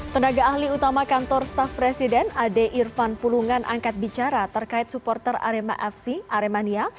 tenaga ahli utama kantor staff presiden ade irfan pulungan angkat bicara terkait supporter arema fc aremania